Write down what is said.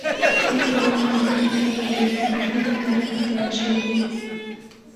نن سبا مې کارونه بې حده ډېر دي، بیخي له کاره بېگاره شوی یم.